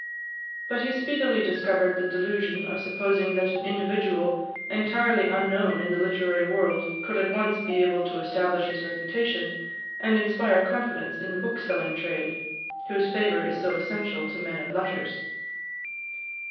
But he speedily discovered the delusion of supposing that an individual, entirely unknown in the literary world, could at once be able to establish his reputation, and inspire confidence in the bookselling trade, whose favour is so essential to men of letters.